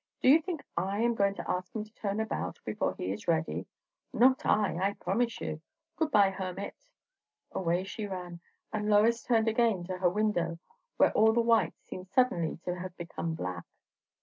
"Do you think I am going to ask him to turn about, before he is ready? Not I, I promise you. Good bye, hermit!" Away she ran, and Lois turned again to her window, where all the white seemed suddenly to have become black.